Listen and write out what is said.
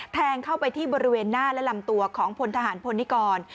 แทงเข้าไปที่บริเวณหน้าและลำตัวของพลทหารพลนิกร